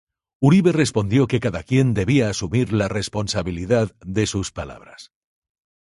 Uribe respondió que cada quien debía asumir la responsabilidad de sus palabras.